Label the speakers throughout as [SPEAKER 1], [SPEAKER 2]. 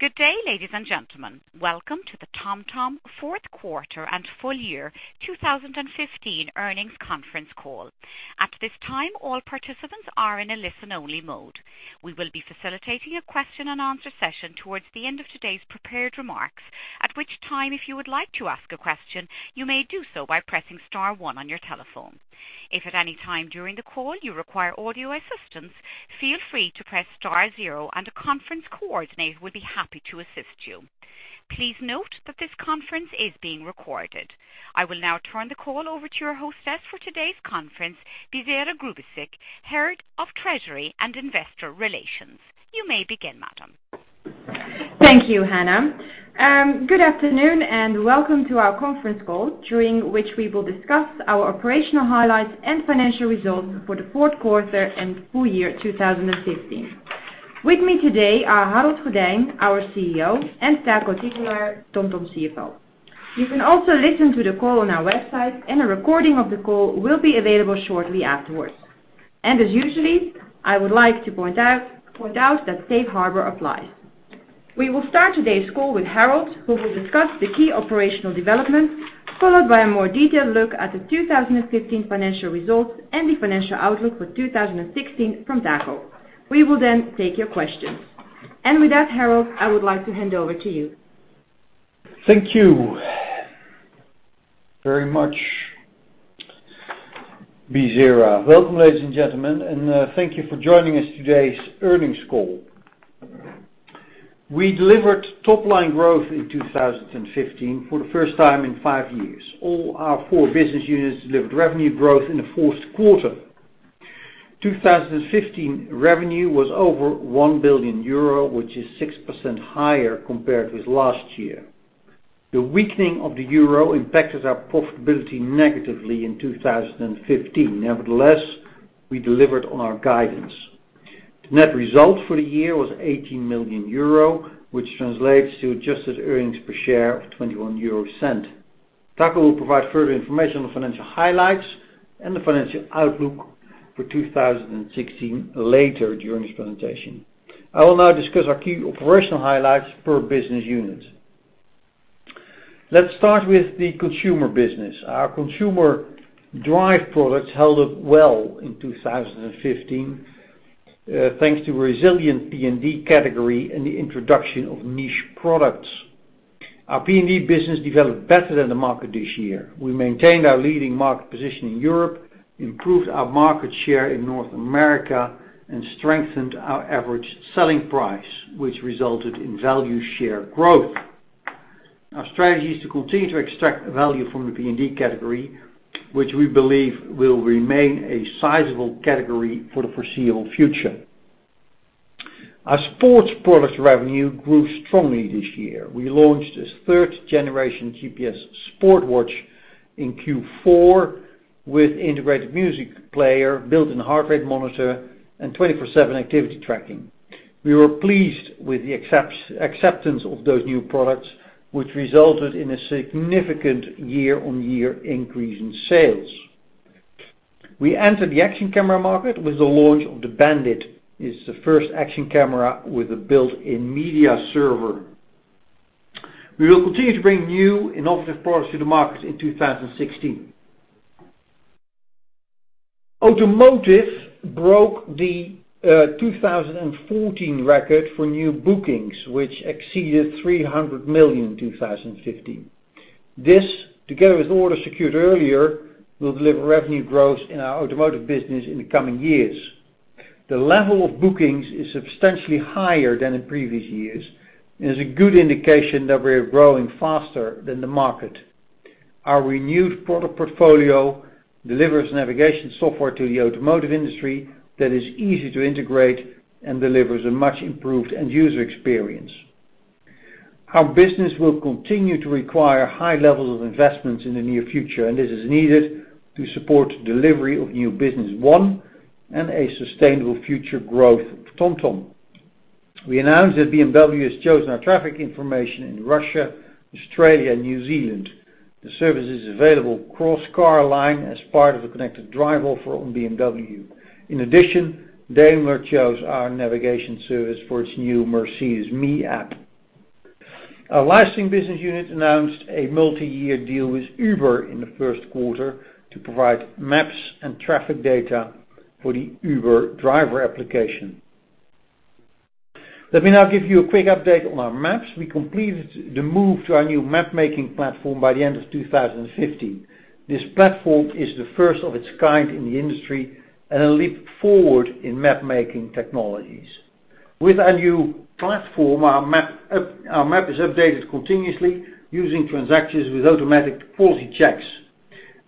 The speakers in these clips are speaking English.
[SPEAKER 1] Good day, ladies and gentlemen. Welcome to the TomTom fourth quarter and full year 2015 earnings conference call. At this time, all participants are in a listen-only mode. We will be facilitating a question and answer session towards the end of today's prepared remarks, at which time, if you would like to ask a question, you may do so by pressing star one on your telephone. If at any time during the call you require audio assistance, feel free to press star zero and a conference coordinator will be happy to assist you. Please note that this conference is being recorded. I will now turn the call over to your hostess for today's conference, Bisera Grubesic, Head of Treasury and Investor Relations. You may begin, madam.
[SPEAKER 2] Thank you, Hannah. Good afternoon, welcome to our conference call, during which we will discuss our operational highlights and financial results for the fourth quarter and full year 2015. With me today are Harold Goddijn, our CEO, and Taco Titulaer, TomTom CFO. You can also listen to the call on our website, a recording of the call will be available shortly afterwards. As usually, I would like to point out that safe harbor applies. We will start today's call with Harold, who will discuss the key operational developments, followed by a more detailed look at the 2015 financial results and the financial outlook for 2016 from Taco. We will then take your questions. With that, Harold, I would like to hand over to you.
[SPEAKER 3] Thank you very much, Bisera. Welcome, ladies and gentlemen, and thank you for joining us for today's earnings call. We delivered top-line growth in 2015 for the first time in five years. All our four business units delivered revenue growth in the fourth quarter. 2015 revenue was over 1 billion euro, which is 6% higher compared with last year. The weakening of the euro impacted our profitability negatively in 2015. Nevertheless, we delivered on our guidance. The net result for the year was 18 million euro, which translates to adjusted earnings per share of 0.21. Taco will provide further information on the financial highlights and the financial outlook for 2016 later during this presentation. I will now discuss our key operational highlights per business unit. Let's start with the consumer business. Our consumer drive products held up well in 2015, thanks to resilient PND category and the introduction of niche products. Our PND business developed better than the market this year. We maintained our leading market position in Europe, improved our market share in North America, and strengthened our average selling price, which resulted in value share growth. Our strategy is to continue to extract value from the PND category, which we believe will remain a sizable category for the foreseeable future. Our sports product revenue grew strongly this year. We launched a third-generation GPS sport watch in Q4 with integrated music player, built-in heart rate monitor, and 24/7 activity tracking. We were pleased with the acceptance of those new products, which resulted in a significant year-on-year increase in sales. We entered the action camera market with the launch of the Bandit. It's the first action camera with a built-in media server. We will continue to bring new innovative products to the market in 2016. Automotive broke the 2014 record for new bookings, which exceeded 300 million in 2015. This, together with orders secured earlier, will deliver revenue growth in our automotive business in the coming years. The level of bookings is substantially higher than in previous years, and is a good indication that we're growing faster than the market. Our renewed product portfolio delivers navigation software to the automotive industry that is easy to integrate and delivers a much improved end-user experience. Our business will continue to require high levels of investments in the near future, and this is needed to support delivery of new business one and a sustainable future growth for TomTom. We announced that BMW has chosen our traffic information in Russia, Australia, and New Zealand. The service is available cross-car line as part of the ConnectedDrive offer on BMW. In addition, Daimler chose our navigation service for its new Mercedes me app. Our licensing business unit announced a multi-year deal with Uber in the first quarter to provide maps and traffic data for the Uber driver application. Let me now give you a quick update on our maps. We completed the move to our new map-making platform by the end of 2015. This platform is the first of its kind in the industry and a leap forward in map-making technologies. With our new platform, our map is updated continuously using transactions with automatic quality checks.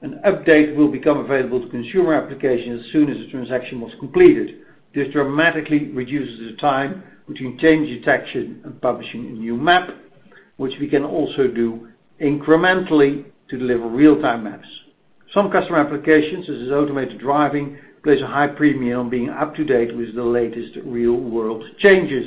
[SPEAKER 3] An update will become available to consumer applications as soon as the transaction was completed. This dramatically reduces the time between change detection and publishing a new map, which we can also do incrementally to deliver real-time maps. Some customer applications, such as automated driving, place a high premium on being up to date with the latest real-world changes.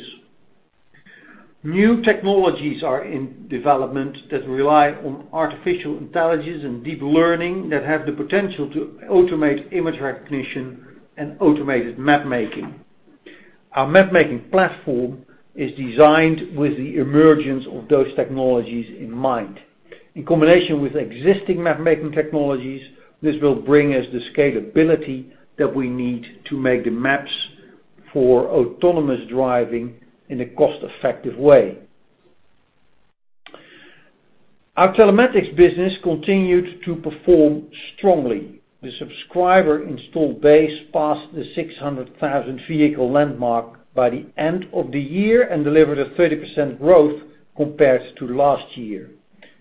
[SPEAKER 3] New technologies are in development that rely on artificial intelligence and deep learning that have the potential to automate image recognition and automated map making. Our map making platform is designed with the emergence of those technologies in mind. In combination with existing map making technologies, this will bring us the scalability that we need to make the maps for autonomous driving in a cost-effective way. Our telematics business continued to perform strongly. The subscriber install base passed the 600,000 vehicle landmark by the end of the year and delivered a 30% growth compared to last year.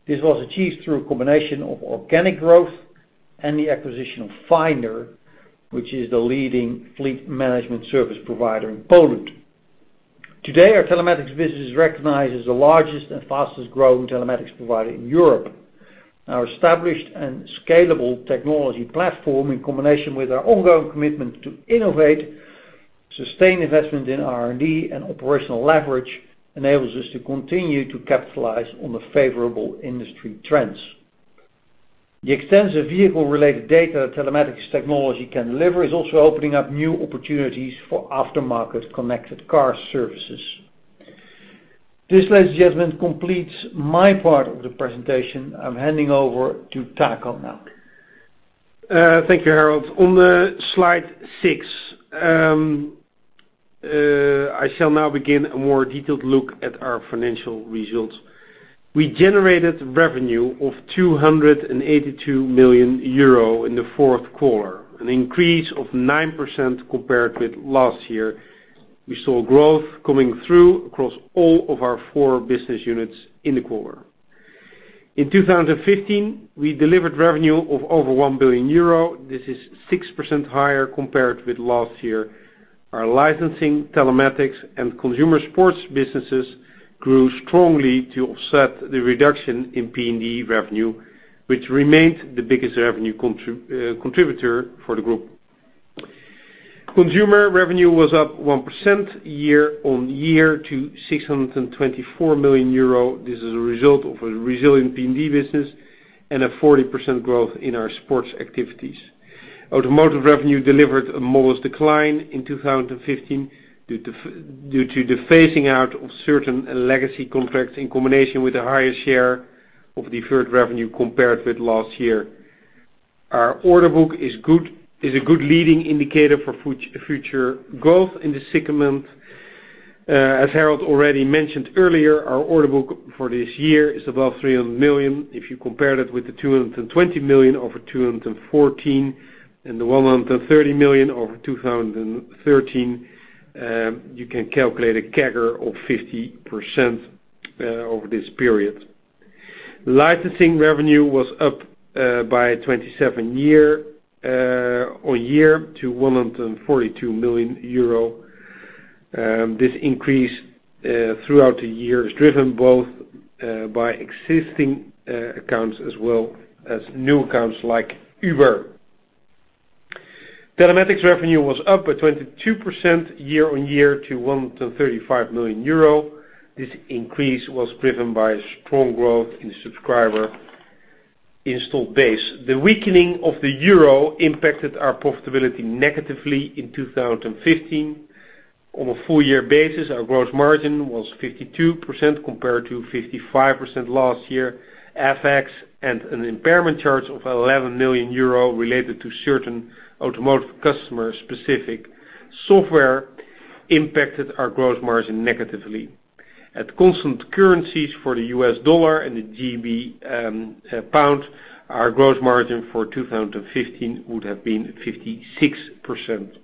[SPEAKER 3] This was achieved through a combination of organic growth and the acquisition of Finder, which is the leading fleet management service provider in Poland. Today, our telematics business is recognized as the largest and fastest growing telematics provider in Europe. Our established and scalable technology platform, in combination with our ongoing commitment to innovate, sustain investment in R&D, and operational leverage, enables us to continue to capitalize on the favorable industry trends. The extensive vehicle-related data telematics technology can deliver is also opening up new opportunities for aftermarket connected car services. This, ladies and gentlemen, completes my part of the presentation. I'm handing over to Taco now.
[SPEAKER 4] Thank you, Harold. On slide six, I shall now begin a more detailed look at our financial results. We generated revenue of 282 million euro in the fourth quarter, an increase of 9% compared with last year. We saw growth coming through across all of our four business units in the quarter. In 2015, we delivered revenue of over 1 billion euro. This is 6% higher compared with last year. Our licensing, telematics, and consumer sports businesses grew strongly to offset the reduction in PND revenue, which remained the biggest revenue contributor for the group. Consumer revenue was up 1% year-on-year to 624 million euro. This is a result of a resilient PND business and a 40% growth in our sports activities. Automotive revenue delivered a modest decline in 2015 due to the phasing out of certain legacy contracts in combination with a higher share of deferred revenue compared with last year. Our order book is a good leading indicator for future growth in the segment. As Harold already mentioned earlier, our order book for this year is above 300 million. If you compare that with the 220 million over 2014 and the 130 million over 2013, you can calculate a CAGR of 50% over this period. Licensing revenue was up by 27% year-on-year to 142 million euro. This increase throughout the year is driven both by existing accounts as well as new accounts like Uber. Telematics revenue was up by 22% year-on-year to 135 million euro. This increase was driven by strong growth in subscriber install base. The weakening of the euro impacted our profitability negatively in 2015. On a full year basis, our gross margin was 52% compared to 55% last year. FX and an impairment charge of 11 million euro related to certain automotive customer specific software impacted our gross margin negatively. At constant currencies for the U.S. dollar and the GB pound, our gross margin for 2015 would have been 56%.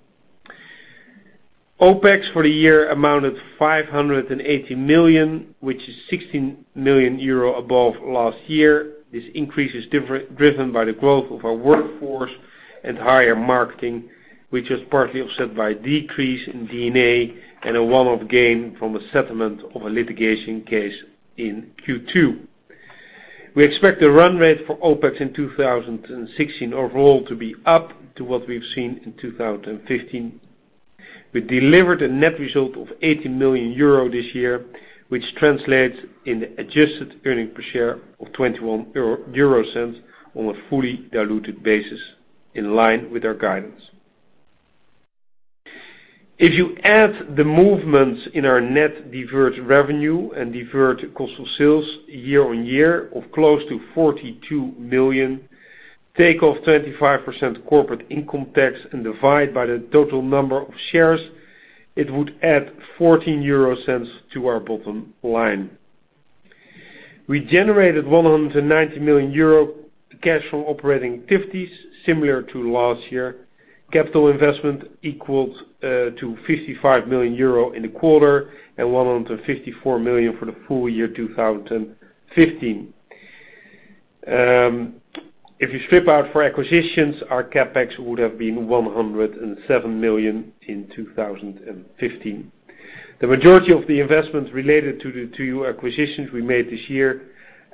[SPEAKER 4] OPEX for the year amounted 580 million, which is 16 million euro above last year. This increase is driven by the growth of our workforce and higher marketing, which was partly offset by a decrease in D&A and a one-off gain from a settlement of a litigation case in Q2. We expect the run rate for OPEX in 2016 overall to be up to what we've seen in 2015. We delivered a net result of 80 million euro this year, which translates into adjusted earning per share of 0.21 euro on a fully diluted basis in line with our guidance. If you add the movements in our net deferred revenue and deferred cost of sales year-on-year of close to 42 million, take off 25% corporate income tax and divide by the total number of shares, it would add 0.14 to our bottom line. We generated 190 million euro cash from operating activities similar to last year. Capital investment equaled to 55 million euro in the quarter and 154 million for the full year 2015. If you strip out for acquisitions, our CapEx would have been 107 million in 2015. The majority of the investments related to acquisitions we made this year,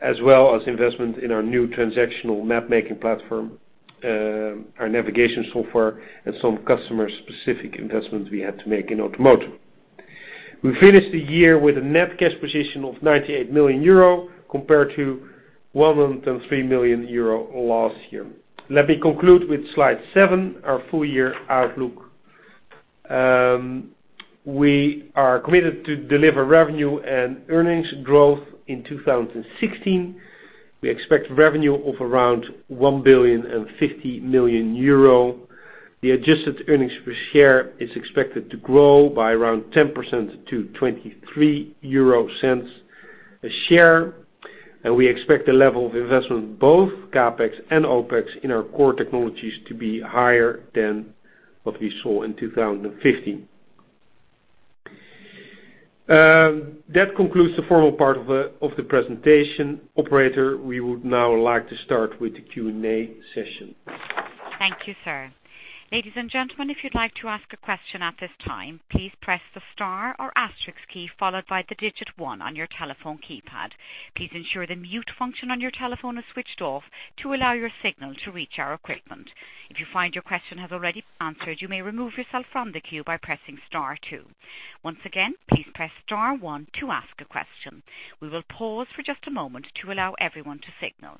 [SPEAKER 4] as well as investment in our new transactional mapmaking platform, our navigation software, and some customer specific investments we had to make in automotive. We finished the year with a net cash position of 98 million euro compared to 103 million euro last year. Let me conclude with slide seven, our full year outlook. We are committed to deliver revenue and earnings growth in 2016. We expect revenue of around 1.05 billion. The adjusted earnings per share is expected to grow by around 10% to 0.23 a share, and we expect the level of investment, both CapEx and OpEx, in our core technologies to be higher than what we saw in 2015. That concludes the formal part of the presentation. Operator, we would now like to start with the Q&A session.
[SPEAKER 1] Thank you, sir. Ladies and gentlemen, if you'd like to ask a question at this time, please press the star or asterisk key followed by the digit one on your telephone keypad. Please ensure the mute function on your telephone is switched off to allow your signal to reach our equipment. If you find your question has already been answered, you may remove yourself from the queue by pressing star two. Once again, please press star one to ask a question. We will pause for just a moment to allow everyone to signal.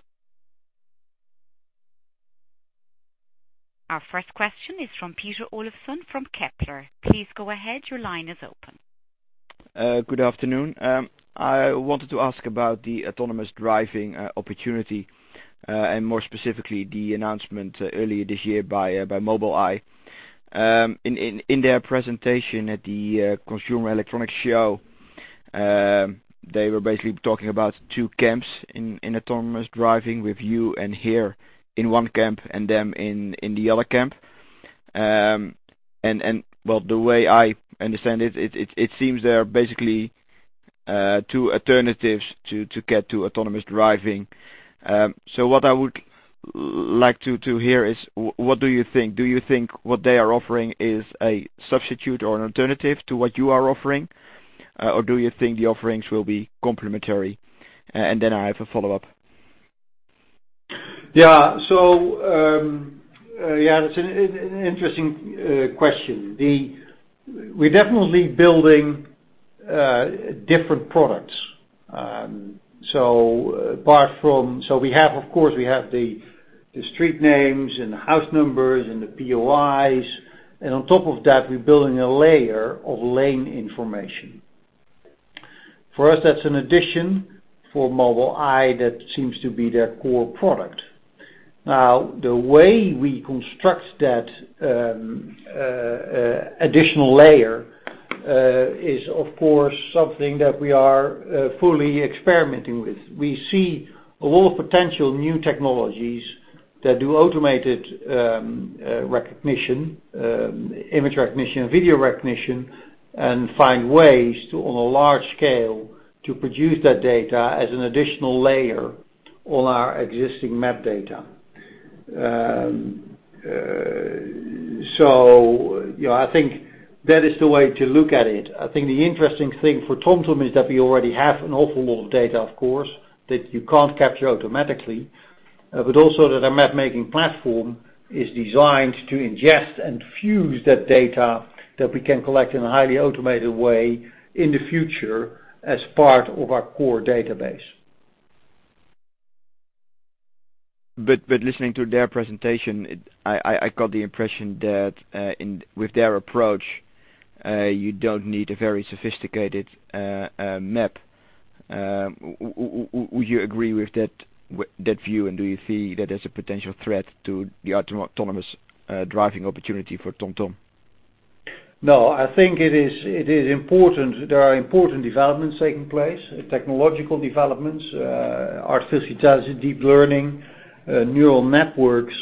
[SPEAKER 1] Our first question is from Peter Olofsen from Kepler Capital. Please go ahead. Your line is open.
[SPEAKER 5] Good afternoon. I wanted to ask about the autonomous driving opportunity, and more specifically, the announcement earlier this year by Mobileye. In their presentation at the Consumer Electronics Show, they were basically talking about two camps in autonomous driving with you and HERE in one camp and them in the other camp. Well, the way I understand it seems there are basically two alternatives to get to autonomous driving. What I would like to hear is, what do you think? Do you think what they are offering is a substitute or an alternative to what you are offering? Do you think the offerings will be complementary? I have a follow-up.
[SPEAKER 3] That's an interesting question. We're definitely building different products. Of course, we have the street names and the house numbers and the POIs, and on top of that, we're building a layer of lane information. For us, that's an addition. For Mobileye, that seems to be their core product. The way we construct that additional layer is, of course, something that we are fully experimenting with. We see a lot of potential new technologies that do automated recognition, image recognition, video recognition, and find ways to, on a large scale, to produce that data as an additional layer on our existing map data. I think that is the way to look at it. I think the interesting thing for TomTom is that we already have an awful lot of data, of course, that you can't capture automatically, but also that our map-making platform is designed to ingest and fuse that data that we can collect in a highly automated way in the future as part of our core database.
[SPEAKER 5] Listening to their presentation, I got the impression that with their approach, you don't need a very sophisticated map. Would you agree with that view, and do you see that as a potential threat to the autonomous driving opportunity for TomTom?
[SPEAKER 3] I think there are important developments taking place, technological developments, artificial intelligence, deep learning, neural networks,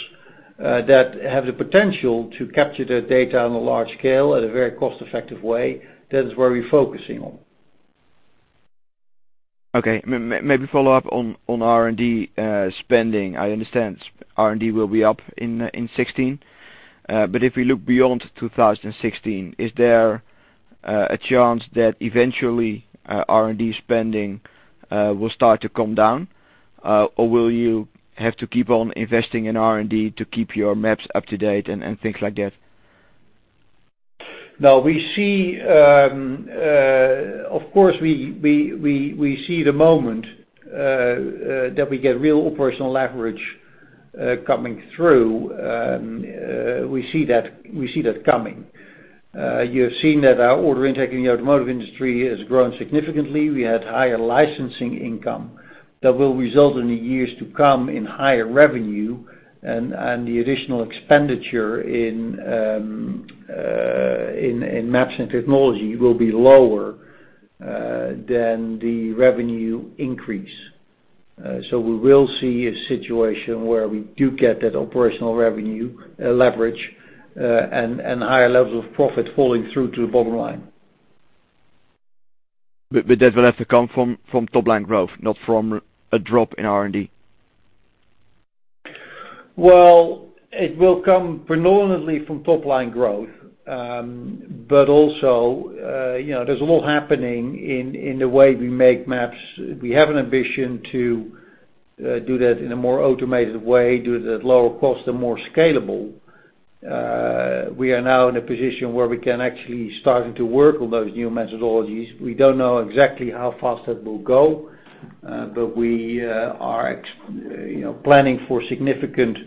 [SPEAKER 3] that have the potential to capture that data on a large scale at a very cost-effective way. That is where we're focusing on.
[SPEAKER 5] Okay. Maybe follow up on R&D spending. I understand R&D will be up in 2016. If we look beyond 2016, is there a chance that eventually R&D spending will start to come down? Will you have to keep on investing in R&D to keep your maps up to date and things like that?
[SPEAKER 3] Of course, we see the moment that we get real operational leverage coming through. We see that coming. You have seen that our order intake in the automotive industry has grown significantly. We had higher licensing income that will result in the years to come in higher revenue and the additional expenditure in maps and technology will be lower than the revenue increase. We will see a situation where we do get that operational revenue leverage, and higher levels of profit falling through to the bottom line.
[SPEAKER 5] That will have to come from top-line growth, not from a drop in R&D.
[SPEAKER 3] Well, it will come predominantly from top-line growth. Also, there's a lot happening in the way we make maps. We have an ambition to do that in a more automated way, do it at lower cost and more scalable We are now in a position where we can actually start to work on those new methodologies. We don't know exactly how fast that will go, but we are planning for significant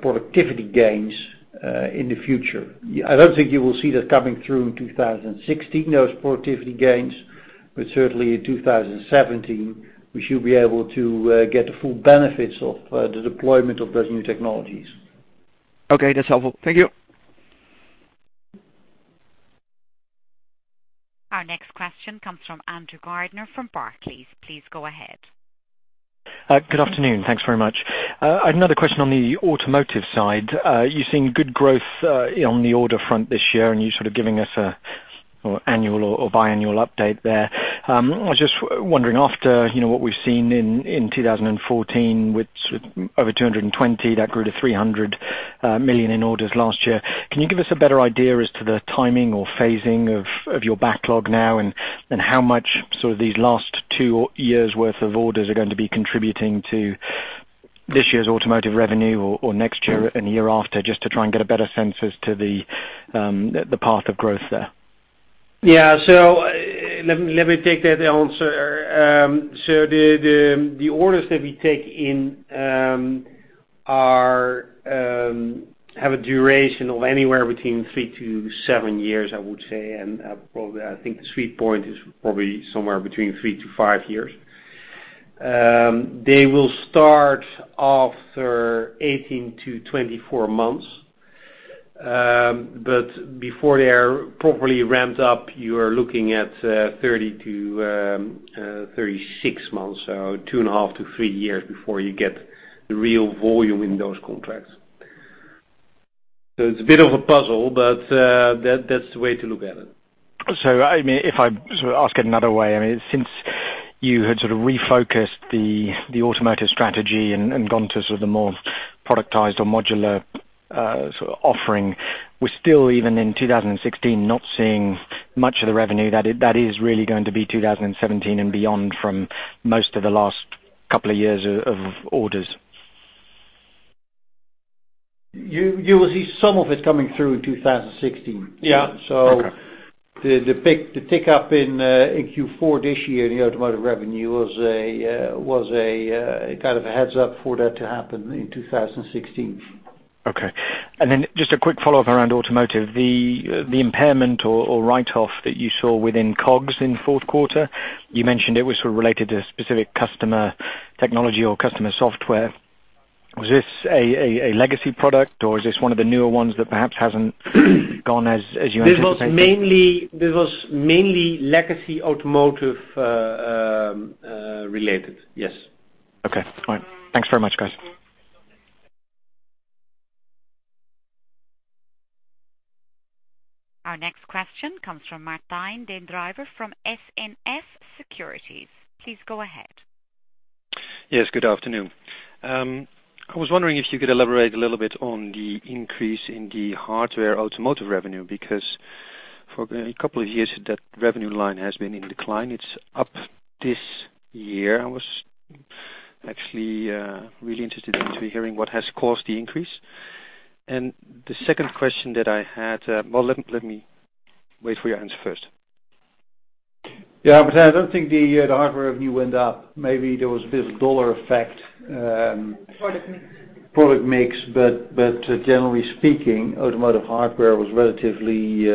[SPEAKER 3] productivity gains in the future. I don't think you will see that coming through in 2016, those productivity gains, but certainly in 2017, we should be able to get the full benefits of the deployment of those new technologies.
[SPEAKER 5] Okay. That's all. Thank you.
[SPEAKER 1] Our next question comes from Andrew Gardiner from Barclays. Please go ahead.
[SPEAKER 6] Good afternoon. Thanks very much. Another question on the Automotive side. You're seeing good growth on the order front this year, and you're giving us an annual or biannual update there. I was just wondering after what we've seen in 2014, with over 220 million, that grew to 300 million in orders last year. Can you give us a better idea as to the timing or phasing of your backlog now and how much these last two years' worth of orders are going to be contributing to this year's Automotive revenue or next year and year after, just to try and get a better sense as to the path of growth there?
[SPEAKER 3] Let me take that answer. The orders that we take in have a duration of anywhere between 3-7 years, I would say. Probably, I think the sweet point is probably somewhere between 3-5 years. They will start after 18-24 months. Before they are properly ramped up, you are looking at 30-36 months. Two and a half to 3 years before you get the real volume in those contracts. It's a bit of a puzzle, but that's the way to look at it.
[SPEAKER 6] If I ask it another way, since you had refocused the automotive strategy and gone to the more productized or modular offering, we're still, even in 2016, not seeing much of the revenue. That is really going to be 2017 and beyond from most of the last couple of years of orders.
[SPEAKER 3] You will see some of it coming through in 2016.
[SPEAKER 6] Yeah. Okay.
[SPEAKER 3] The tick-up in Q4 this year in the automotive revenue was a heads-up for that to happen in 2016.
[SPEAKER 6] Okay. Just a quick follow-up around automotive. The impairment or write-off that you saw within COGS in the fourth quarter, you mentioned it was related to a specific customer technology or customer software. Was this a legacy product, or is this one of the newer ones that perhaps hasn't gone as you anticipated?
[SPEAKER 3] This was mainly legacy automotive related. Yes.
[SPEAKER 6] Okay. All right. Thanks very much, guys.
[SPEAKER 1] Our next question comes from Martijn den Drijver from SNS Securities. Please go ahead.
[SPEAKER 7] Yes, good afternoon. I was wondering if you could elaborate a little bit on the increase in the hardware automotive revenue, because for a couple of years, that revenue line has been in decline. It's up this year. I was actually really interested in hearing what has caused the increase. The second question that I had, let me wait for your answer first.
[SPEAKER 3] Yeah, I don't think the hardware revenue went up. Maybe there was a bit of dollar effect.
[SPEAKER 8] Product mix.
[SPEAKER 3] Product mix, generally speaking, automotive hardware was relatively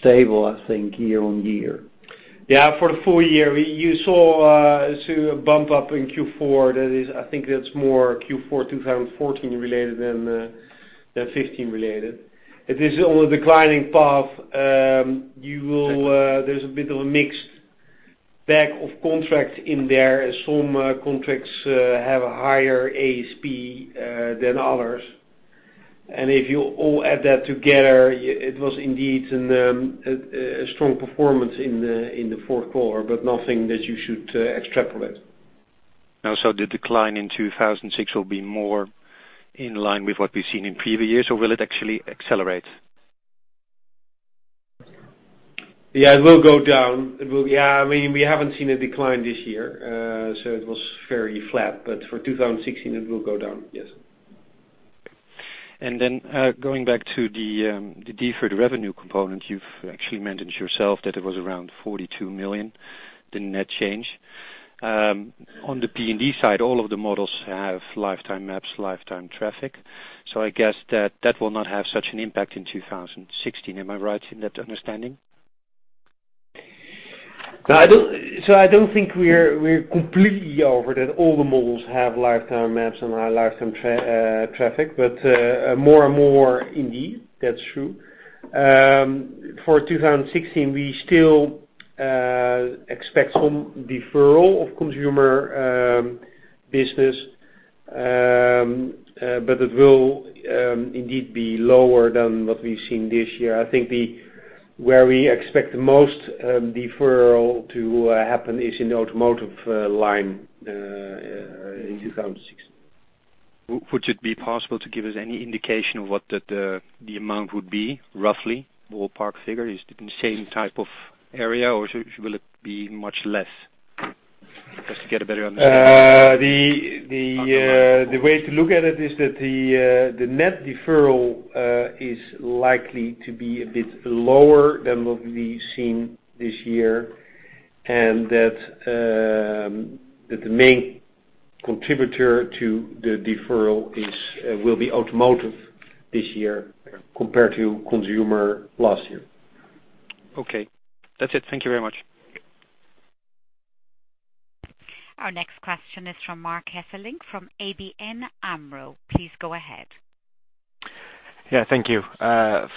[SPEAKER 3] stable, I think, year on year. Yeah, for the full year. You saw a bump up in Q4. I think that's more Q4 2014 related than 2015 related. It is on a declining path. There's a bit of a mixed bag of contracts in there as some contracts have a higher ASP than others. If you add that together, it was indeed a strong performance in the fourth quarter, but nothing that you should extrapolate.
[SPEAKER 7] The decline in 2016 will be more in line with what we've seen in previous years, or will it actually accelerate?
[SPEAKER 3] Yeah, it will go down. We haven't seen a decline this year. It was fairly flat, for 2016, it will go down. Yes.
[SPEAKER 7] Going back to the deferred revenue component, you've actually mentioned yourself that it was around 42 million, the net change. On the PND side, all of the models have lifetime maps, lifetime traffic. I guess that will not have such an impact in 2016. Am I right in that understanding?
[SPEAKER 3] I don't think we're completely over that all the models have lifetime maps and lifetime traffic. More and more, indeed, that's true. For 2016, we still expect some deferral of consumer business, but it will indeed be lower than what we've seen this year. I think where we expect the most deferral to happen is in the automotive line in 2016.
[SPEAKER 7] Would it be possible to give us any indication of what the amount would be, roughly? Ballpark figure. Is it the same type of area, or will it be much less? Just to get a better understanding.
[SPEAKER 4] The way to look at it is that the net deferral is likely to be a bit lower than what we've seen this year, and that the main contributor to the deferral will be automotive this year compared to consumer last year.
[SPEAKER 7] Okay. That's it. Thank you very much.
[SPEAKER 1] Our next question is from Marc Hesselink, from ABN AMRO. Please go ahead.
[SPEAKER 9] Thank you.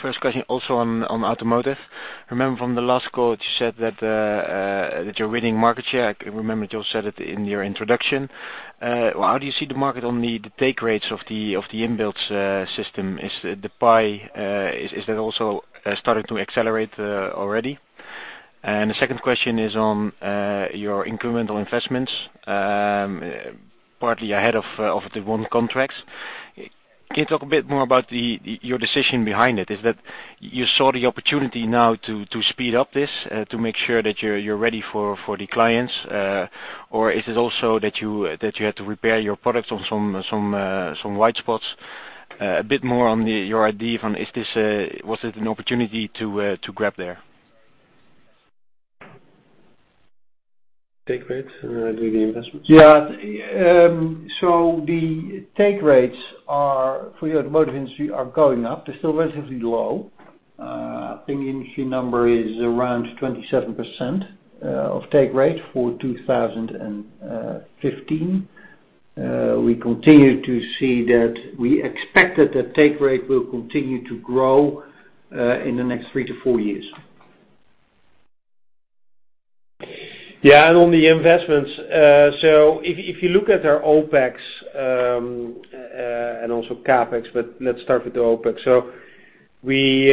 [SPEAKER 9] First question, also on automotive. Remember from the last call that you said that you're winning market share. I remember you also said it in your introduction. How do you see the market on the take rates of the in-builds system? Is the pie also starting to accelerate already? The second question is on your incremental investments, partly ahead of the won contracts. Can you talk a bit more about your decision behind it? Is it that you saw the opportunity now to speed up this, to make sure that you're ready for the clients? Or is it also that you had to repair your products on some white spots? A bit more on your idea from, was it an opportunity to grab there? Take rates or the investments?
[SPEAKER 4] The take rates for the automotive industry are going up. They're still relatively low. I think the industry number is around 27% of take rate for 2015. We expect that the take rate will continue to grow in the next three to four years. On the investments, if you look at our OPEX, and also CapEx, but let's start with the OPEX. The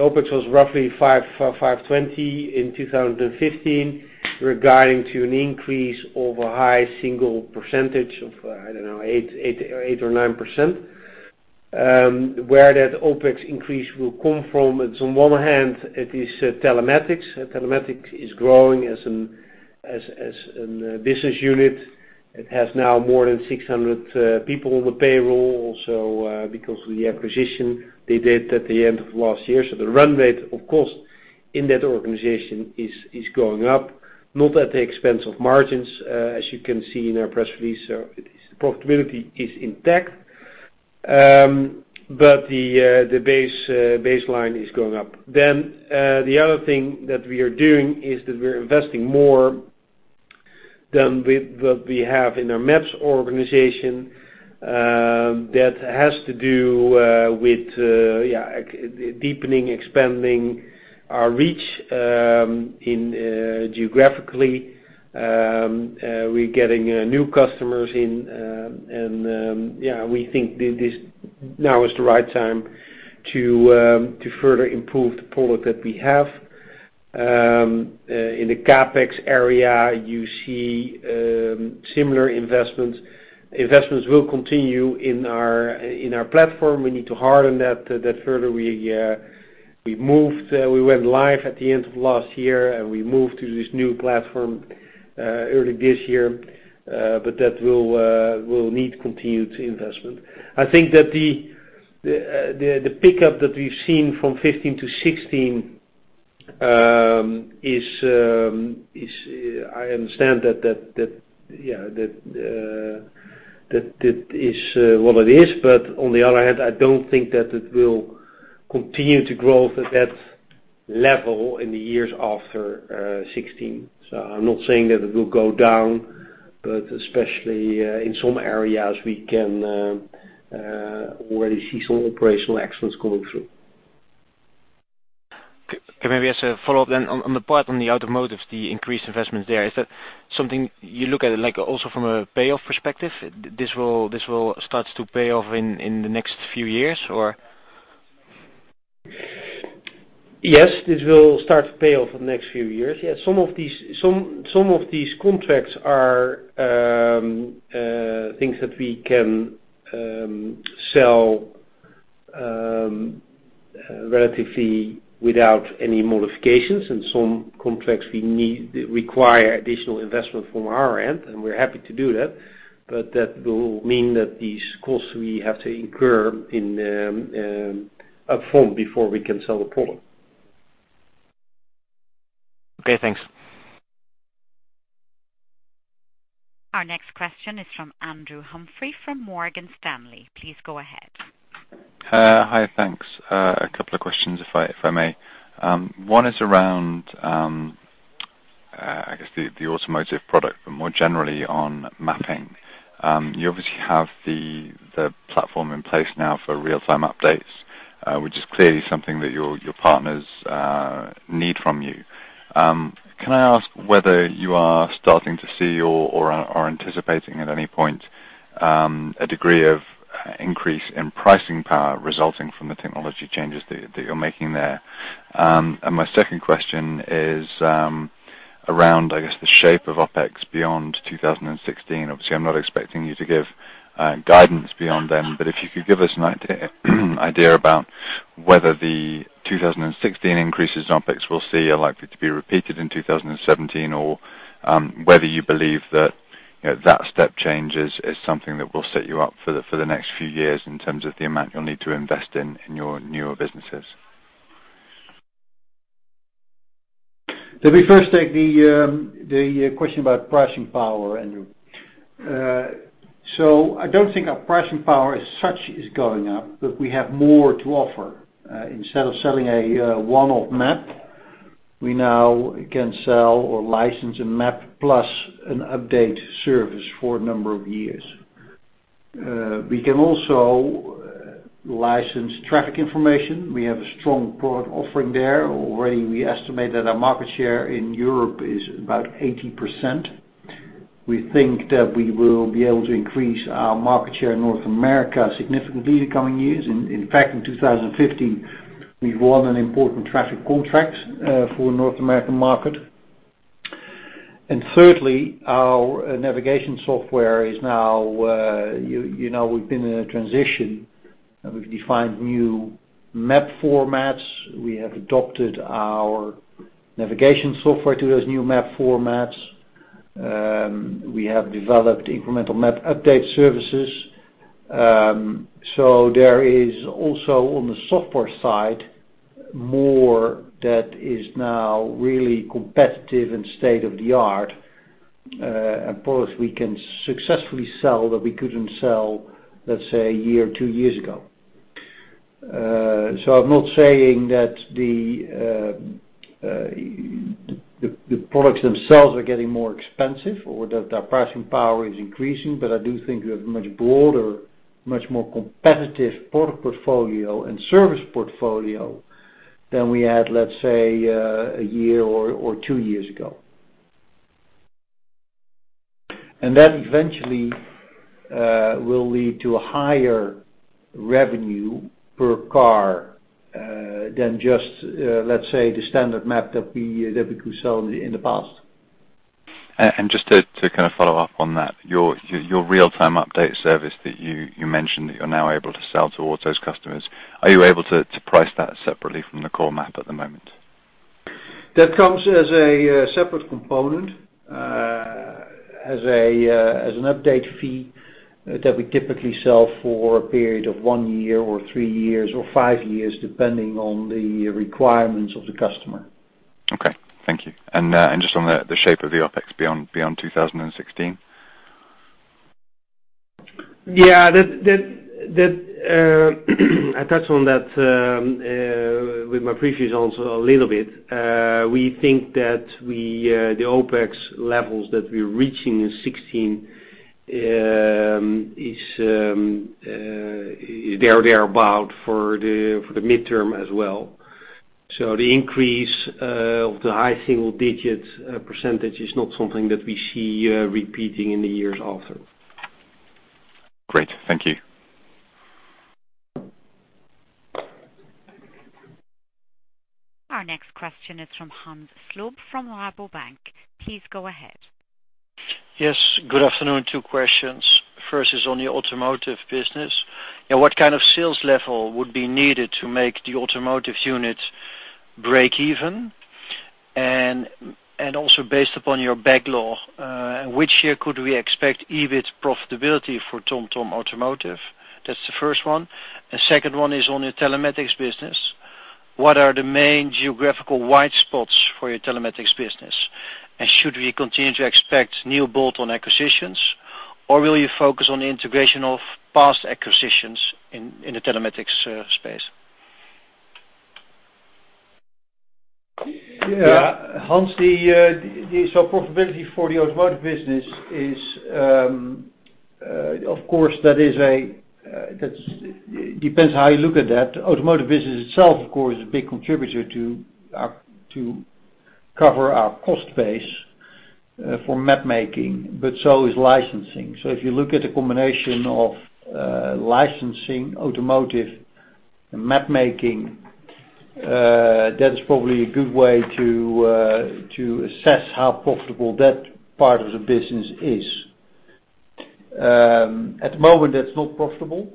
[SPEAKER 4] OPEX was roughly 520 in 2015, regarding to an increase of a high single percentage of, I don't know, 8% or 9%. Where that OPEX increase will come from, it's on one hand, it is Telematics. Telematics is growing as a business unit. It has now more than 600 people on the payroll, also because of the acquisition they did at the end of last year. The run rate, of course, in that organization is going up, not at the expense of margins, as you can see in our press release. Profitability is intact. The baseline is going up. The other thing that we are doing is that we're investing more than what we have in our maps organization. That has to do with deepening, expanding our reach geographically. We're getting new customers in, and we think now is the right time to further improve the product that we have. In the CapEx area, you see similar investments. Investments will continue in our platform. We need to harden that further. We went live at the end of last year, and we moved to this new platform early this year. That will need continued investment. I think that the pickup that we've seen from 2015 to 2016, I understand that is what it is. On the other hand, I don't think that it will continue to grow at that level in the years after 2016. I'm not saying that it will go down, but especially in some areas, we can already see some operational excellence coming through.
[SPEAKER 9] Okay. Maybe as a follow-up on the part on the automotive, the increased investments there, is that something you look at, also from a payoff perspective? This will start to pay off in the next few years?
[SPEAKER 4] Yes, this will start to pay off in the next few years. Some of these contracts are things that we can sell relatively without any modifications, and some contracts require additional investment from our end, and we're happy to do that. That will mean that these costs we have to incur up front before we can sell the product.
[SPEAKER 9] Okay, thanks.
[SPEAKER 1] Our next question is from Andrew Humphrey from Morgan Stanley. Please go ahead.
[SPEAKER 10] Hi, thanks. A couple of questions, if I may. One is around, I guess, the automotive product, but more generally on mapping. You obviously have the platform in place now for real-time updates, which is clearly something that your partners need from you. Can I ask whether you are starting to see or are anticipating at any point, a degree of increase in pricing power resulting from the technology changes that you're making there? My second question is around, I guess, the shape of OpEx beyond 2016. Obviously, I'm not expecting you to give guidance beyond then, but if you could give us an idea about whether the 2016 increases in OpEx we'll see are likely to be repeated in 2017 or whether you believe that step change is something that will set you up for the next few years in terms of the amount you'll need to invest in your newer businesses.
[SPEAKER 3] Let me first take the question about pricing power, Andrew. I don't think our pricing power as such is going up, but we have more to offer. Instead of selling a one-off map, we now can sell or license a map plus an update service for a number of years. We can also license traffic information. We have a strong product offering there. Already, we estimate that our market share in Europe is about 80%. We think that we will be able to increase our market share in North America significantly in the coming years. In fact, in 2015, we won an important traffic contract for North American market. We've been in a transition, and we've defined new map formats. We have adopted our navigation software to those new map formats. We have developed incremental map update services. There is also, on the software side, more that is now really competitive and state-of-the-art. Products we can successfully sell that we couldn't sell, let's say a year or two years ago. I'm not saying that the products themselves are getting more expensive or that their pricing power is increasing, but I do think we have a much broader, much more competitive product portfolio and service portfolio than we had, let's say, a year or two years ago. That eventually will lead to a higher revenue per car than just, let's say, the standard map that we could sell in the past.
[SPEAKER 10] Just to follow up on that, your real-time update service that you mentioned that you're now able to sell towards those customers, are you able to price that separately from the core map at the moment?
[SPEAKER 3] That comes as a separate component, as an update fee that we typically sell for a period of one year or three years or five years, depending on the requirements of the customer.
[SPEAKER 10] Okay. Thank you. Just on the shape of the OpEx beyond 2016?
[SPEAKER 3] Yeah. I touched on that with my previous answer a little bit. We think that the OpEx levels that we're reaching in 2016, is there or thereabout for the midterm as well. The increase of the high single-digit % is not something that we see repeating in the years after.
[SPEAKER 10] Great. Thank you.
[SPEAKER 1] Our next question is from Hans Slob from Rabobank. Please go ahead.
[SPEAKER 11] Yes, good afternoon. Two questions. First is on your automotive business. What kind of sales level would be needed to make the automotive unit break even? Based upon your backlog, which year could we expect EBIT profitability for TomTom Automotive? That's the first one. Second one is on your telematics business. What are the main geographical white spots for your telematics business? Should we continue to expect new bolt-on acquisitions, or will you focus on the integration of past acquisitions in the telematics space?
[SPEAKER 3] Hans, the profitability for the automotive business is, of course, that depends how you look at that. Automotive business itself, of course, is a big contributor to cover our cost base for mapmaking, but so is licensing. If you look at the combination of licensing, automotive, and mapmaking, that is probably a good way to assess how profitable that part of the business is. At the moment, that's not profitable,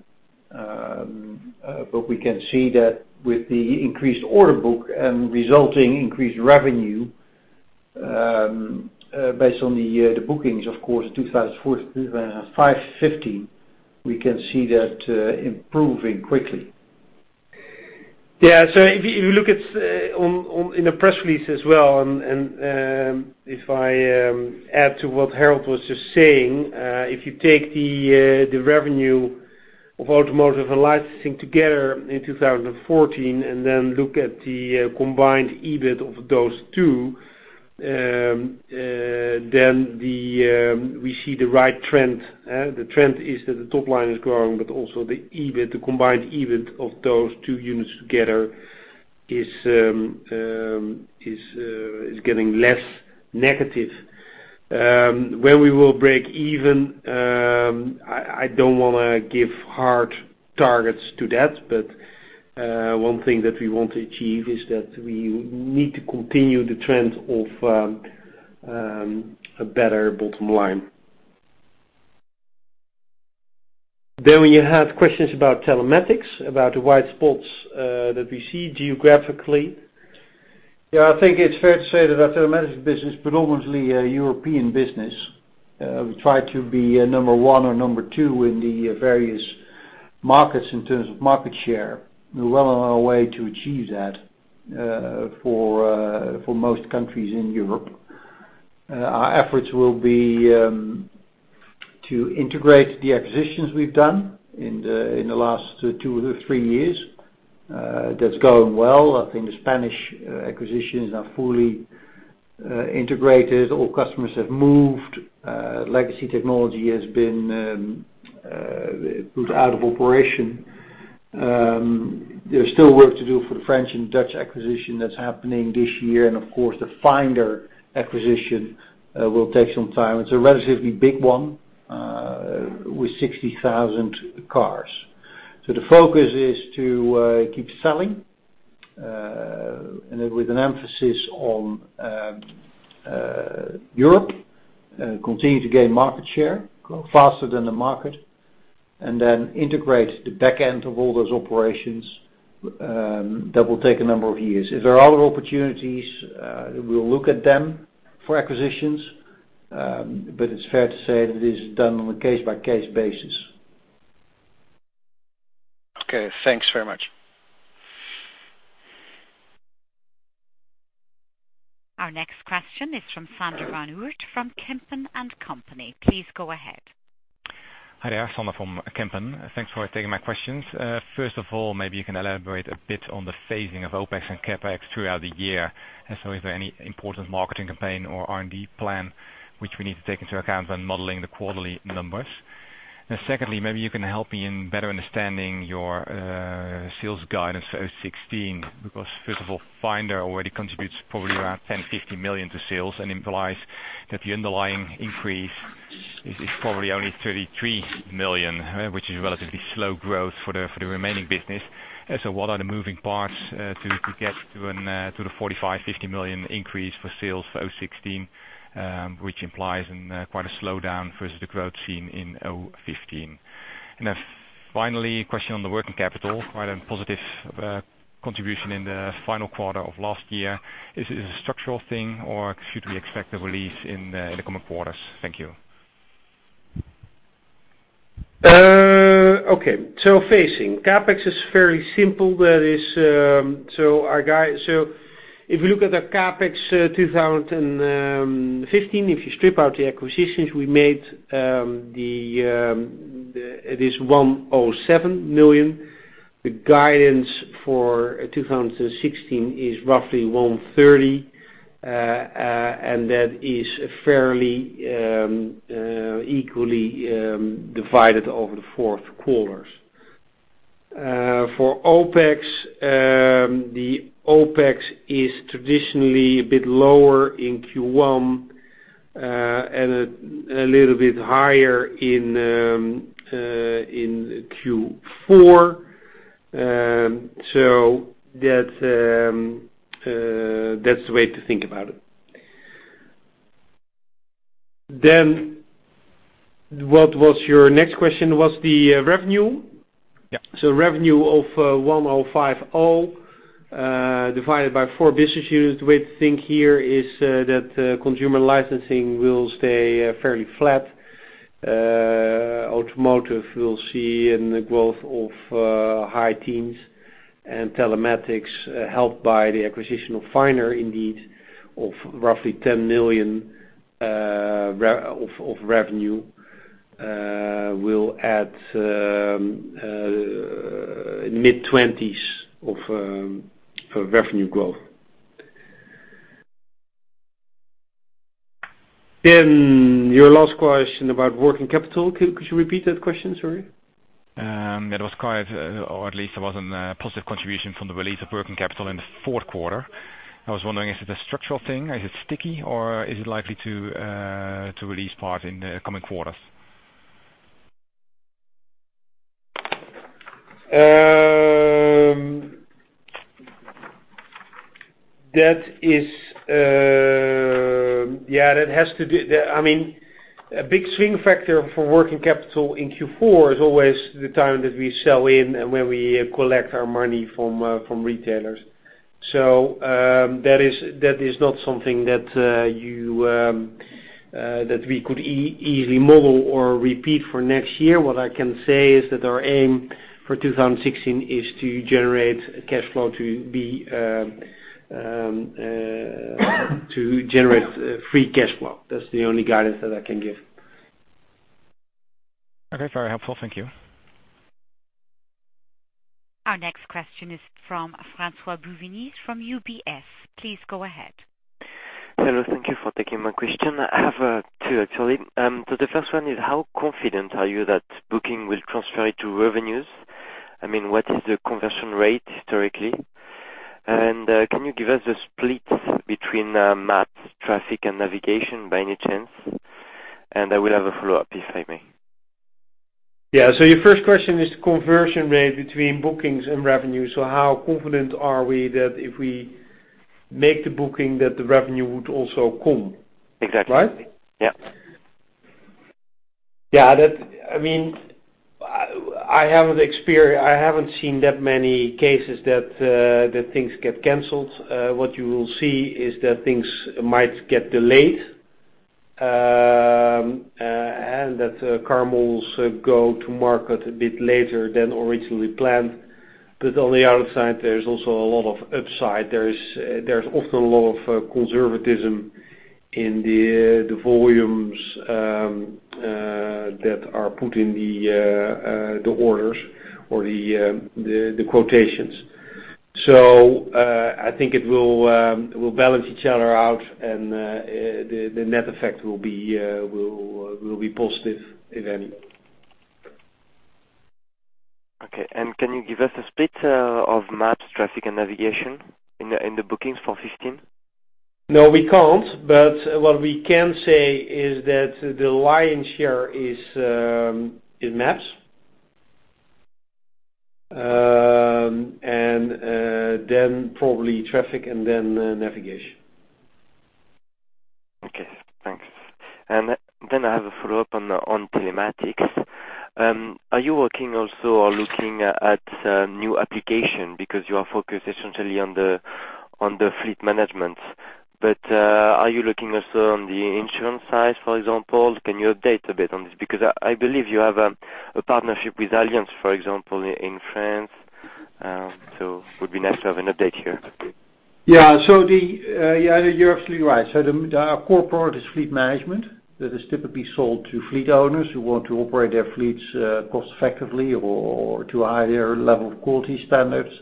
[SPEAKER 3] but we can see that with the increased order book and resulting increased revenue, based on the bookings, of course, 2015, we can see that improving quickly.
[SPEAKER 4] If you look in the press release as well, and if I add to what Harold was just saying, if you take the revenue of automotive and licensing together in 2014 and then look at the combined EBIT of those two, then we see the right trend. The trend is that the top line is growing, but also the combined EBIT of those two units together is getting less negative. Where we will break even, I don't want to give hard targets to that, but one thing that we want to achieve is that we need to continue the trend of a better bottom line.
[SPEAKER 3] You had questions about telematics, about the white spots that we see geographically. I think it's fair to say that our telematics business predominantly a European business. We try to be number one or number two in the various markets in terms of market share. We're well on our way to achieve that for most countries in Europe. Our efforts will be to integrate the acquisitions we've done in the last two to three years. That's going well. I think the Spanish acquisitions are fully integrated. All customers have moved. Legacy technology has been put out of operation. There's still work to do for the French and Dutch acquisition that's happening this year. The Finder acquisition will take some time. It's a relatively big one with 60,000 cars. The focus is to keep selling, with an emphasis on Europe, continue to gain market share, grow faster than the market, then integrate the back end of all those operations. That will take a number of years. If there are other opportunities, we will look at them for acquisitions, but it is fair to say that it is done on a case-by-case basis.
[SPEAKER 11] Okay, thanks very much.
[SPEAKER 1] Our next question is from Sander van Oort from Van Lanschot Kempen. Please go ahead.
[SPEAKER 12] Hi there, Sander from Kempen. Thanks for taking my questions. Maybe you can elaborate a bit on the phasing of OpEx and CapEx throughout the year, is there any important marketing campaign or R&D plan which we need to take into account when modeling the quarterly numbers? Secondly, maybe you can help me in better understanding your sales guidance 2016 because, first of all, Finder already contributes probably around 10 million-15 million to sales and implies that the underlying increase is probably only 33 million, which is relatively slow growth for the remaining business. What are the moving parts to get to the 45 million-50 million increase for sales for 2016, which implies quite a slowdown versus the growth seen in 2015? Finally, a question on the working capital, quite a positive contribution in the final quarter of last year. Is it a structural thing, or should we expect a release in the coming quarters? Thank you.
[SPEAKER 4] Okay, phasing. CapEx is fairly simple. If you look at the CapEx 2015, if you strip out the acquisitions we made, it is 107 million. The guidance for 2016 is roughly 130, and that is fairly equally divided over the four quarters. For OpEx, the OpEx is traditionally a bit lower in Q1 and a little bit higher in Q4. That's the way to think about it. What was your next question, was the revenue?
[SPEAKER 12] Yeah.
[SPEAKER 4] Revenue of 1,050 divided by four business units. The way to think here is that consumer licensing will stay fairly flat. Automotive will see in the growth of high teens and telematics helped by the acquisition of Finder indeed of roughly 10 million of revenue will add mid-20s of revenue growth. Your last question about working capital. Could you repeat that question? Sorry.
[SPEAKER 12] There was a positive contribution from the release of working capital in the fourth quarter. I was wondering, is it a structural thing? Is it sticky, or is it likely to release part in the coming quarters?
[SPEAKER 3] A big swing factor for working capital in Q4 is always the time that we sell in and when we collect our money from retailers. That is not something that we could easily model or repeat for next year. What I can say is that our aim for 2016 is to generate free cash flow. That's the only guidance that I can give.
[SPEAKER 12] Okay, very helpful. Thank you.
[SPEAKER 1] Our next question is from Francois-Xavier Bouvignies from UBS. Please go ahead.
[SPEAKER 13] Hello, thank you for taking my question. I have two, actually. The first one is, how confident are you that booking will transfer to revenues? What is the conversion rate historically? Can you give us a split between maps, traffic, and navigation by any chance? I will have a follow-up, if I may.
[SPEAKER 3] Your first question is the conversion rate between bookings and revenue. How confident are we that if we make the booking that the revenue would also come.
[SPEAKER 13] Exactly.
[SPEAKER 3] Right?
[SPEAKER 13] Yeah.
[SPEAKER 3] I haven't seen that many cases that things get canceled. What you will see is that things might get delayed, and that cars go to market a bit later than originally planned. On the other side, there is also a lot of upside. There is often a lot of conservatism in the volumes that are put in the orders or the quotations. I think it will balance each other out and the net effect will be positive, if any.
[SPEAKER 13] Can you give us a split of maps, traffic, and navigation in the bookings for 2015?
[SPEAKER 3] No, we can't. What we can say is that the lion's share is in maps, then probably traffic, and then navigation.
[SPEAKER 13] Okay, thanks. I have a follow-up on telematics. Are you working also or looking at new application because you are focused essentially on the fleet management. Are you looking also on the insurance side, for example? Can you update a bit on this? Because I believe you have a partnership with Allianz, for example, in France. It would be nice to have an update here.
[SPEAKER 3] Yeah. You're absolutely right. Our core product is fleet management. That is typically sold to fleet owners who want to operate their fleets cost effectively or to a higher level of quality standards.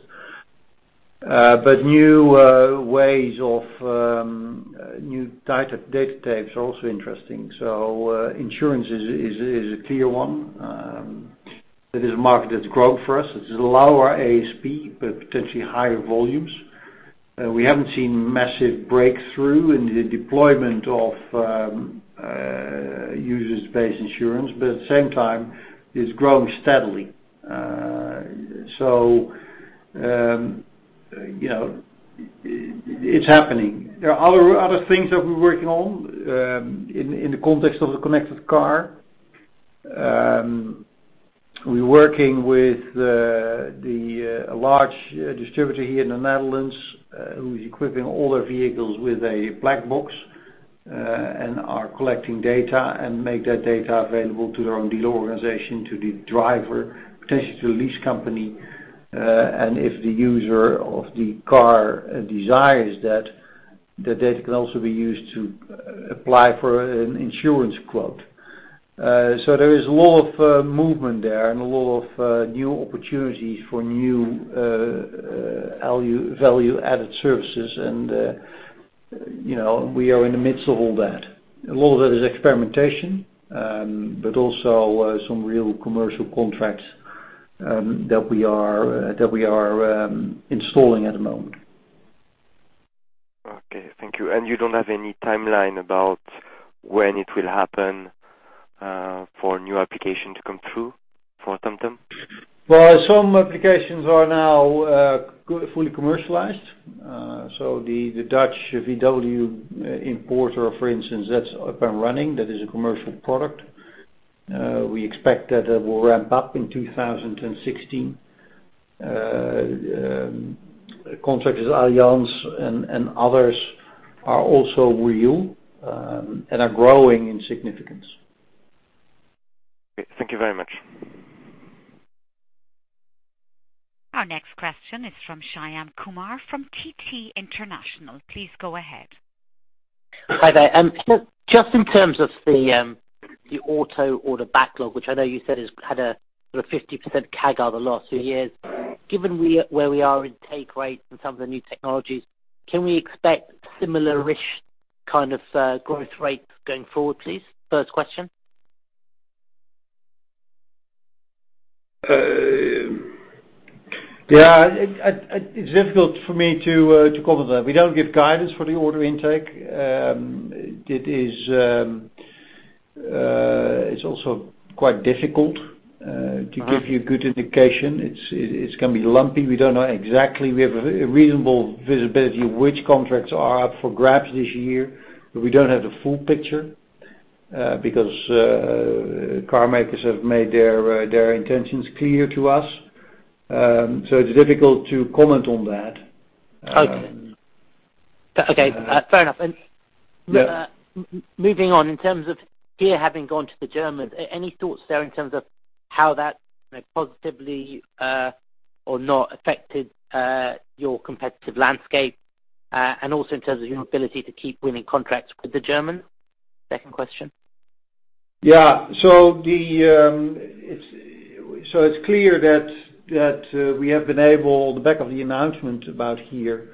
[SPEAKER 3] New types of data types are also interesting. Insurance is a clear one. That is a market that's grown for us. It's a lower ASP, but potentially higher volumes. We haven't seen massive breakthrough in the deployment of usage-based insurance. At the same time, it's growing steadily. It's happening. There are other things that we're working on, in the context of the connected car. We're working with a large distributor here in the Netherlands, who's equipping all their vehicles with a black box, and are collecting data and make that data available to their own dealer organization, to the driver, potentially to the lease company. If the user of the car desires that, the data can also be used to apply for an insurance quote. There is a lot of movement there and a lot of new opportunities for new value-added services, and we are in the midst of all that. A lot of that is experimentation, but also some real commercial contracts that we are installing at the moment.
[SPEAKER 13] Okay, thank you. You don't have any timeline about when it will happen for a new application to come through for TomTom?
[SPEAKER 3] Some applications are now fully commercialized. The Dutch VW importer, for instance, that's up and running. That is a commercial product. We expect that that will ramp up in 2016. Contracts with Allianz and others are also real, and are growing in significance.
[SPEAKER 13] Okay. Thank you very much.
[SPEAKER 1] Our next question is from Shyam Kumar from TT International. Please go ahead.
[SPEAKER 14] Hi there. Just in terms of the auto order backlog, which I know you said has had a sort of 50% CAGR the last two years. Given where we are in take rates and some of the new technologies, can we expect similar-ish kind of growth rates going forward, please? First question.
[SPEAKER 3] Yeah. It's difficult for me to comment on that. We don't give guidance for the order intake. It's also quite difficult to give you a good indication. It's going to be lumpy. We don't know exactly. We have a reasonable visibility of which contracts are up for grabs this year, but we don't have the full picture, because car makers have made their intentions clear to us. It's difficult to comment on that.
[SPEAKER 14] Okay. Fair enough.
[SPEAKER 3] Yeah.
[SPEAKER 14] Moving on, in terms of HERE having gone to the Germans, any thoughts there in terms of how that positively or not affected your competitive landscape, and also in terms of your ability to keep winning contracts with the Germans? Second question.
[SPEAKER 3] Yeah. It's clear that on the back of the announcement about HERE,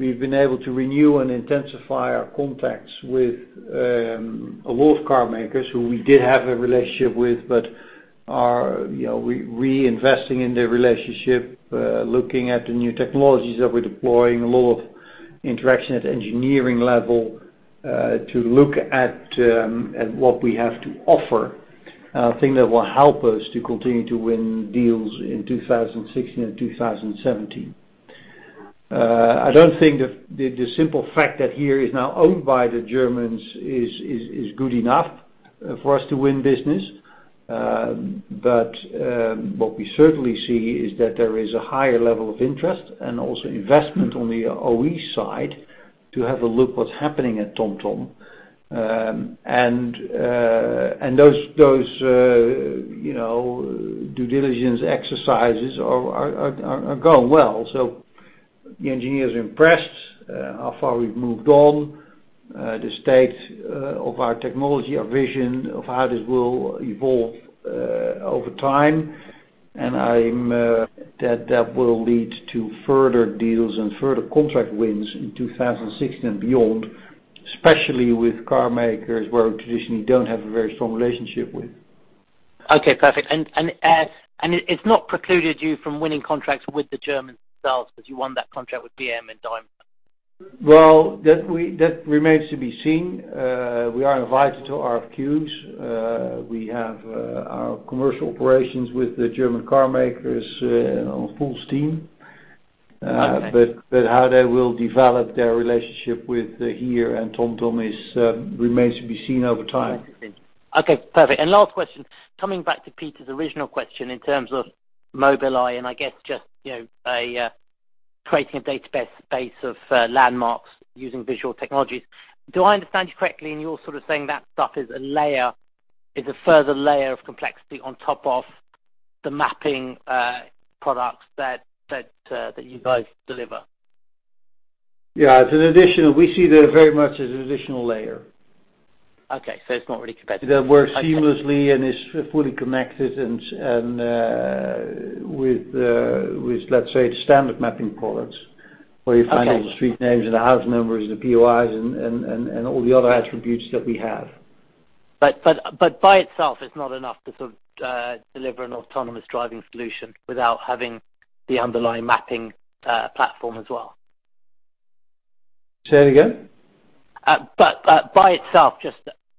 [SPEAKER 3] we've been able to renew and intensify our contacts with a lot of car makers who we did have a relationship with, but are reinvesting in the relationship, looking at the new technologies that we're deploying, a lot of interaction at engineering level To look at what we have to offer, a thing that will help us to continue to win deals in 2016 and 2017. I don't think that the simple fact that HERE is now owned by the Germans is good enough for us to win business. What we certainly see is that there is a higher level of interest and also investment on the OE side to have a look what's happening at TomTom. Those due diligence exercises are going well. The engineers are impressed how far we've moved on, the state of our technology, our vision of how this will evolve over time, and that will lead to further deals and further contract wins in 2016 and beyond, especially with car makers where we traditionally don't have a very strong relationship with.
[SPEAKER 14] Okay, perfect. It's not precluded you from winning contracts with the German themselves because you won that contract with BMW and Daimler?
[SPEAKER 3] Well, that remains to be seen. We are invited to RFQs. We have our commercial operations with the German car makers on full steam.
[SPEAKER 14] Okay.
[SPEAKER 3] How they will develop their relationship with HERE and TomTom remains to be seen over time.
[SPEAKER 14] Okay, perfect. Last question, coming back to Peter's original question in terms of Mobileye and I guess just creating a database space of landmarks using visual technologies. Do I understand you correctly in you're saying that stuff is a further layer of complexity on top of the mapping products that you guys deliver?
[SPEAKER 3] Yeah. We see that very much as an additional layer.
[SPEAKER 14] Okay. It's not really competitive. Okay.
[SPEAKER 3] That works seamlessly and is fully connected, and with, let's say, the standard mapping products.
[SPEAKER 14] Okay
[SPEAKER 3] where you find all the street names and the house numbers, the POIs, and all the other attributes that we have.
[SPEAKER 14] By itself, it's not enough to sort of deliver an autonomous driving solution without having the underlying mapping platform as well?
[SPEAKER 3] Say that again.
[SPEAKER 14] By itself,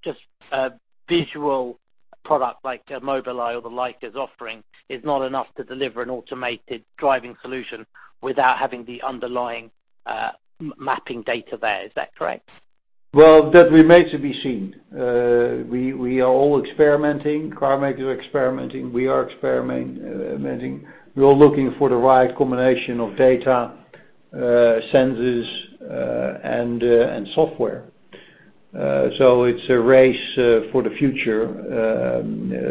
[SPEAKER 14] just a visual product like Mobileye or the like is offering is not enough to deliver an automated driving solution without having the underlying mapping data there. Is that correct?
[SPEAKER 3] Well, that remains to be seen. We are all experimenting. Car makers are experimenting. We are experimenting. We are looking for the right combination of data, sensors, and software. It's a race for the future.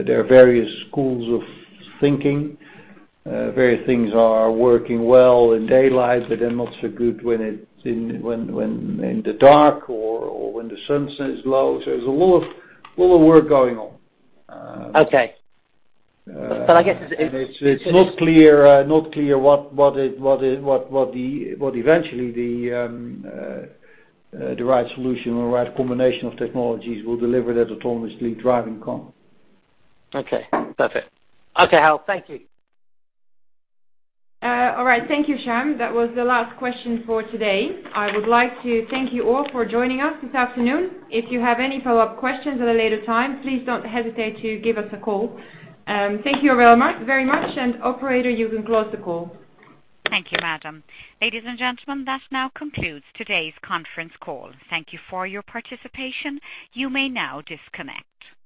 [SPEAKER 3] There are various schools of thinking. Various things are working well in daylight, but then not so good when in the dark or when the sun is low. There's a lot of work going on.
[SPEAKER 14] Okay.
[SPEAKER 3] It's not clear what eventually the right solution or right combination of technologies will deliver that autonomously driving car.
[SPEAKER 14] Okay, perfect. Okay, Harold. Thank you.
[SPEAKER 2] All right. Thank you, Shyam. That was the last question for today. I would like to thank you all for joining us this afternoon. If you have any follow-up questions at a later time, please don't hesitate to give us a call. Thank you very much. Operator, you can close the call.
[SPEAKER 1] Thank you, madam. Ladies and gentlemen, that now concludes today's conference call. Thank you for your participation. You may now disconnect.